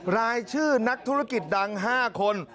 รายชื่อนักธุรกิจดัง๕คน